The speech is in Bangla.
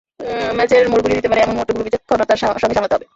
ম্যাচের মোড় ঘুরিয়ে দিতে পারে এমন মুহূর্তগুলো বিচক্ষণতার সঙ্গে সামলাতে হবে।